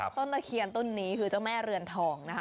ตะเคียนต้นนี้คือเจ้าแม่เรือนทองนะคะ